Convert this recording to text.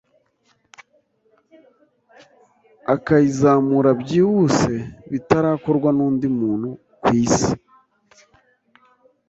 akayizamura byihuse bitarakorwa n’undi muntu ku isi,